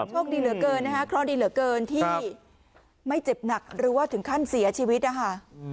โชคดีเหลือเกินนะคะเคราะห์ดีเหลือเกินที่ไม่เจ็บหนักหรือว่าถึงขั้นเสียชีวิตนะคะ